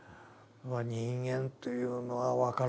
人間というのは分からない。